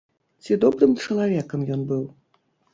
Ці добрым чалавекам ён быў?